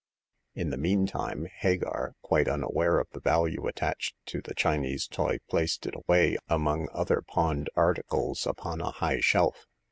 In the meantime, Hagar, quite unaware of the value attached to the Chinese toy, placed it away among other pawned articles upon a high shelf.